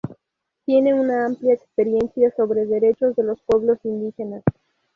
Tiene una amplia experiencia sobre derechos de los pueblos indígenas.